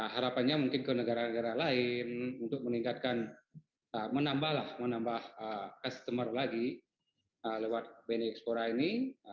harapannya mungkin ke negara negara lain untuk meningkatkan menambahlah menambah customer lagi lewat bni ekspora ini